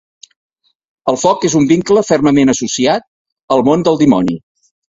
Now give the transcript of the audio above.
El foc és un vincle fermament associat al món del dimoni.